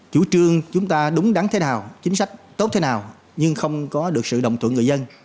chủ trương chúng ta đúng đắn thế nào chính sách tốt thế nào nhưng không có được sự đồng tượng người dân